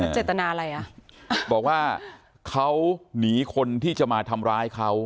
เจตนาอะไรอ่ะบอกว่าเขาหนีคนที่จะมาทำร้ายเขา